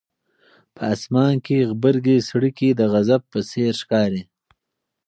په اسمان کې غبرګې څړیکې د غضب په څېر ښکاري.